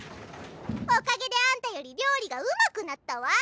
おかげであんたより料理がうまくなったわ。